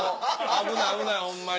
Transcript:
危ない危ないホンマに。